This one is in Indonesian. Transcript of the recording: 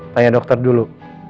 tanya dokter dulu